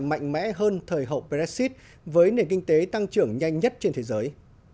mạnh mẽ hơn thời hậu brexit với nền kinh tế tăng trưởng nhanh nhất trên thế giới